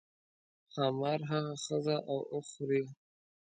ښامار هغه ښځه او اوښ خوري.